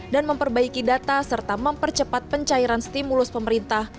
dan memperbaiki data serta mempercepat pencairan stimulus pemerintah